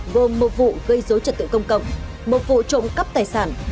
gồm một vụ gây dối trật tự công cộng một vụ trộm cắp tài sản